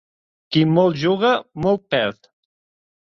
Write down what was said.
Qui molt juga, molt perd.